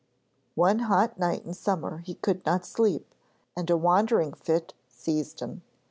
One hot night in summer he could not sleep, and a wandering fit seized him.